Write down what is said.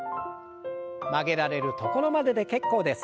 曲げられるところまでで結構です。